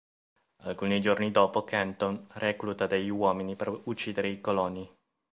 Alcuni giorni dopo Canton recluta degli uomini per uccidere i coloni.